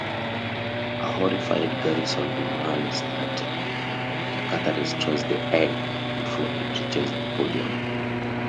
A horrified Garrison demands that Jakartha destroys the egg before it reaches the podium.